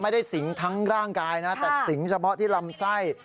สิงทั้งร่างกายนะแต่สิงเฉพาะที่ลำไส้